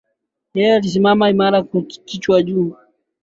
Yeye alisimama imara kichwa juu.